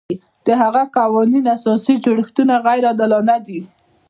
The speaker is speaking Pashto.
د هغه قوانین او اساسي جوړښتونه غیر عادلانه دي.